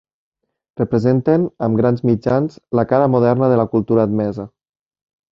Representen, amb grans mitjans, la cara moderna de la cultura admesa.